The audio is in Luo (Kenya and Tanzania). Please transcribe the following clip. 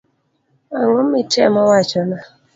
Ang'o mitemo wachona.